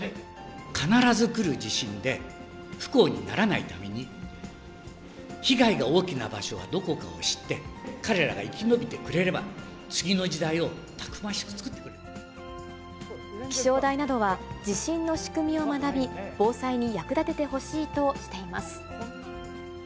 必ず来る地震で、不幸にならないために、被害が大きな場所はどこかを知って、彼らが生き延びてくれれば、次の時代をたくましくつくってく気象台などは、地震の仕組みを学び、防災に役立ててほしいとしています。